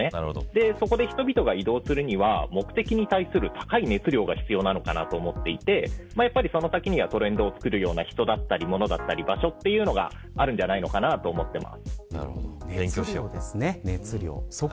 そこで、人々が移動するには目的に対する高い熱量が必要なのかなと思っていてやりその先には、トレンドをつくるような人だったりものだったり場所というのがあるんじゃないのかなと思ってます。